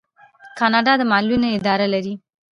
کاناډا د معلولینو اداره لري.